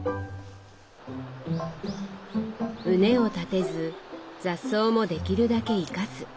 畝を立てず雑草もできるだけ生かす。